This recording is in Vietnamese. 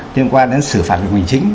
liên quan đến xử phạt hình hình chính